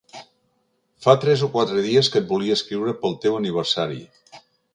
Fa tres o quatre dies que et volia escriure pel teu aniversari.